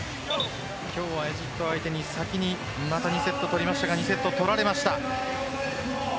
今日エジプト相手に先に２セット取りましたが２セット取られました。